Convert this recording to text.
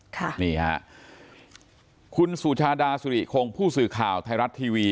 ค่ะนี่ฮะคุณสุชาดาสุริคงผู้สื่อข่าวไทยรัฐทีวี